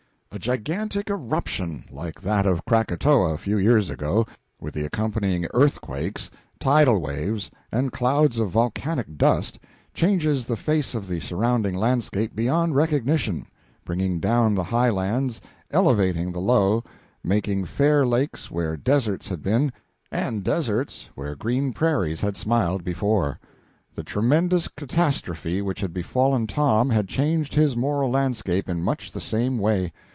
A gigantic irruption, like that of Krakatoa a few years ago, with the accompanying earthquakes, tidal waves, and clouds of volcanic dust, changes the face of the surrounding landscape beyond recognition, bringing down the high lands, elevating the low, making fair lakes where deserts had been, and deserts where green prairies had smiled before. The tremendous catastrophe which had befallen Tom had changed his moral landscape in much the same way.